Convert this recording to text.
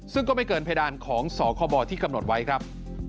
ซึ่งก็ไม่เกินเพดานของสคบที่กำหนดไว้ครับ